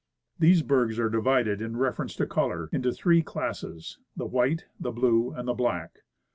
The bergs are divided, in reference to color, into three classes — the white, the blue, and the black.